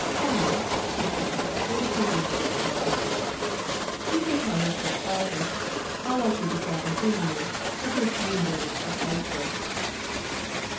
"Sam'l," she said, with a twinkle in her eye, "ye can tell Lisbeth Fargus I'll likely be drappin' in on her aboot Munday or Teisday."